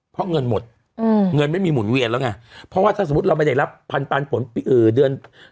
เพราะเงินหมดเงินไม่มีหมุนเวียนแล้วไงเพราะว่าถ้าสมมุติเราไม่ได้รับพันปันผลเดือน